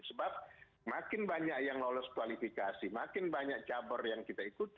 sebab makin banyak yang lolos kualifikasi makin banyak cabar yang kita ikuti